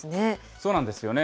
そうなんですよね。